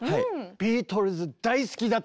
ビートルズ大好きだとか。